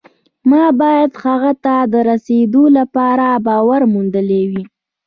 ما باید هغه ته د رسېدو لپاره باور موندلی وي